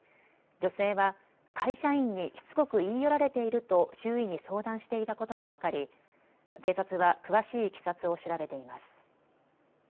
女性は会社員にしつこく言い寄られていると周囲に相談していたことも分かり警察は詳しいいきさつを調べています。